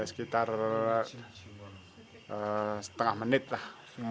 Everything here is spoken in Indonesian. sekitar setengah menit lah